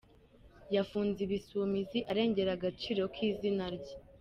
Yafunze Ibisumizi arengera agaciro k’izina rye….